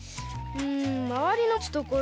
うんまわりのもつところ